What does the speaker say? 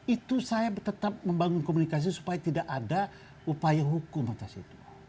itu saya tetap membangun komunikasi supaya tidak ada upaya hukum atas itu